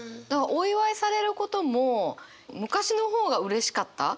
お祝いされることも昔の方がうれしかった。